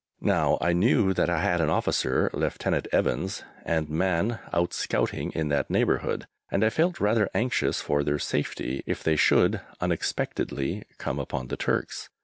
Now I knew that I had an officer (Lieutenant Evans) and man out scouting in that neighbourhood, and I felt rather anxious for their safety if they should, unexpectedly, come upon the Turks.